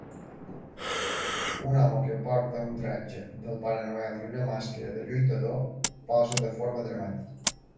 Un home que porta un tratge del Pare Noel i una màscara de lluitador posa de forma dramàtica.